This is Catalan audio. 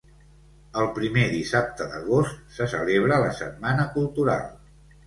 El primer dissabte d'agost se celebra la Setmana Cultural.